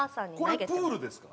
これプールですか？